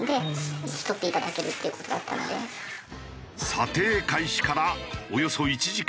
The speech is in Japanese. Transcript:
査定開始からおよそ１時間。